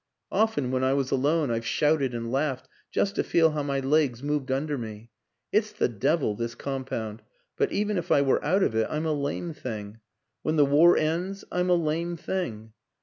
Often when I was alone I've shouted and laughed just to feel how my legs moved under me. ... It's the devil this compound but even if I were out of it, I'm a lame thing. When the war ends I'm a lame thing.